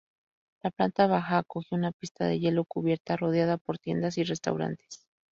La planta baja acoge una pista de hielo cubierta, rodeada por tiendas y restaurantes.